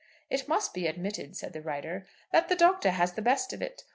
"It must be admitted," said the writer, "that the Doctor has the best of it.